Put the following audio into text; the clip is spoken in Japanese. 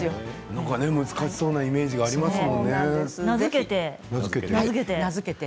なんか難しそうなイメージがあり名付けて。